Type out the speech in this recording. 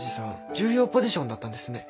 重要ポジションだったんですね。